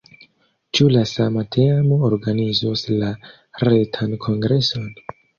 Ĉu la sama teamo organizos la retan kongreson?